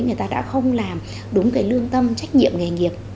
người ta đã không làm đúng cái lương tâm trách nhiệm nghề nghiệp